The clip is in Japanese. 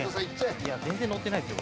全然ノッてないですよ。